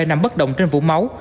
nằm bất động trên vũ máu